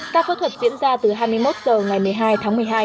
các phẫu thuật diễn ra từ hai mươi một giờ ngày một mươi hai tháng một mươi hai